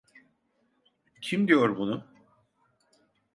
Kim diyor bunu?